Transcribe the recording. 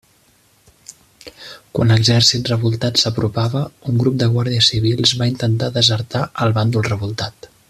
Quan l'exèrcit revoltat s'apropava, un grup de guàrdies civils va intentar desertar al bàndol revoltat.